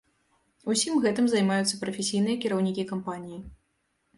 Усім гэтым займаюцца прафесійныя кіраўнікі кампаніі.